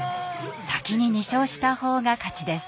先に２勝した方が勝ちです。